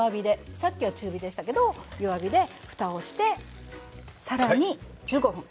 さっきは中火でしたけれども弱火でふたをしてさらに１５分。